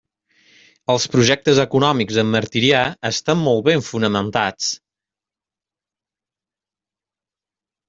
Els projectes econòmics d'en Martirià estan molt ben fonamentats.